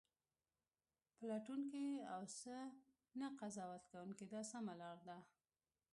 پلټونکی اوسه نه قضاوت کوونکی دا سمه لار ده.